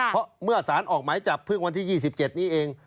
เพราะเมื่อสารออกหมายจับเพิ่งวันที่๒๗นี้เอง